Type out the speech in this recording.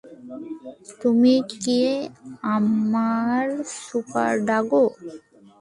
তুমি কি আমার সুপার ডগো?